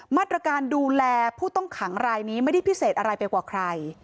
มาตรการดูแลผู้ต้องขังรายนี้ไม่ได้พิเศษอะไรไปกว่าใคร